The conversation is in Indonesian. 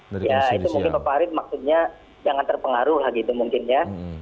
ya itu mungkin meparit maksudnya jangan terpengaruh mungkin ya